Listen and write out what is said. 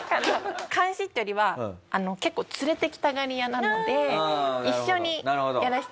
監視っていうよりは結構連れてきたがり屋なので一緒にやらせていただきたい。